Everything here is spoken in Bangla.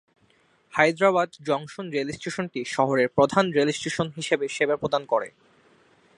হায়দরাবাদ জংশন রেলস্টেশনটি শহরের প্রধান রেল স্টেশন হিসাবে সেবা প্রদান করে।